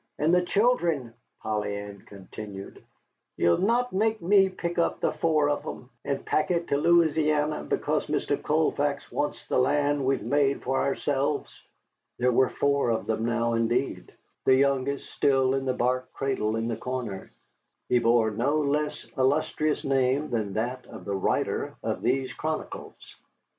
"And the children," Polly Ann continued, "ye'll not make me pick up the four of 'em, and pack it to Louisiana, because Mr. Colfax wants the land we've made for ourselves." There were four of them now, indeed, the youngest still in the bark cradle in the corner. He bore a no less illustrious name than that of the writer of these chronicles.